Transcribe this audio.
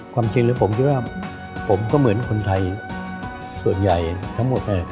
ความจริงแล้วผมคิดว่าผมก็เหมือนคนไทยส่วนใหญ่ทั้งหมด